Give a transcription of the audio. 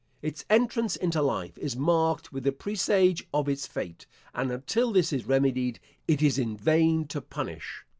Its entrance into life is marked with the presage of its fate; and until this is remedied, it is in vain to punish.